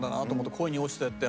『恋におちて』って。